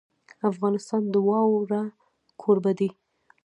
افغانستان د واوره کوربه دی.